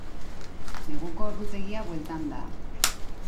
Neguko ordutegia bueltan da.